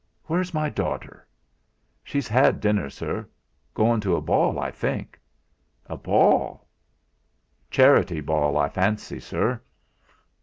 Where's my daughter?" "She's had dinner, sir; goin' to a ball, I think." "A ball!" "Charity ball, I fancy, sir."